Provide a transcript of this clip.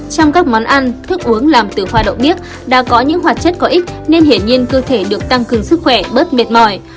trong các món ăn thức uống làm từ khoa đậu biếc đã có những hoạt chất có ích nên hiển nhiên cơ thể được tăng cường sức khỏe bớt mệt mỏi